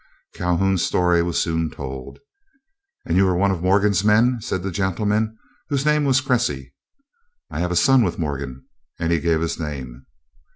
Calhoun's story was soon told. "And you are one of Morgan's men," said the gentleman, whose name was Cressey. "I have a son with Morgan," and he gave his name.